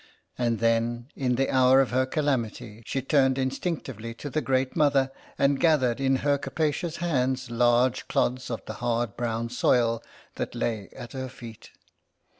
And then, in the hour of her calamity, she turned instinctively to the Great Mother, and gathered in her capacious hands large clods of the hard brown soil that lay at her feet.